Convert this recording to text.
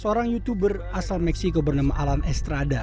seorang youtuber asal meksiko bernama alan estrada